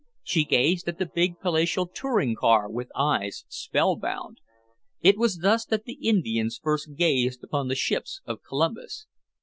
She gazed at the big, palatial touring car with eyes spellbound. It was thus that the Indians first gazed upon the ships of Columbus.